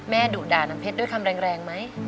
ดุด่าน้ำเพชรด้วยคำแรงไหม